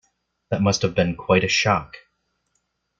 That must have been quite a shock.